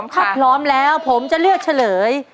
ถ้าพร้อมแล้วผมจะเลือกเฉลย